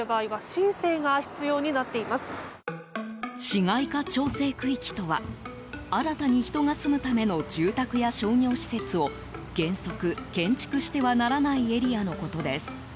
市街化調整区域とは新たに人が住むための住宅や商業施設を原則、建築してはならないエリアのことです。